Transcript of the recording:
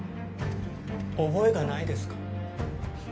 覚えがないですか？